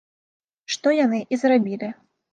Што яны і зрабілі.